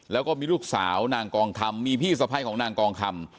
แล้วก็มีลูกสาวนางกองคำมีพี่สะพ้ายของนางกองคำ